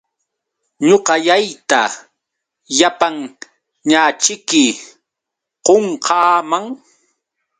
Ñuqallayta llapanñaćhiki qunqaaman.